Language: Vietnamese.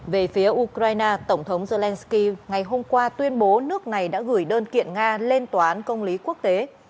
về phía ukraine tổng thống zelensky ngày hôm qua tuyên bố nước này đã gửi đơn kiện nga lên tòa án công lý quốc tế